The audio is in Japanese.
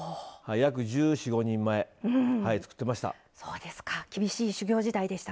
約１４１５年前作ってました。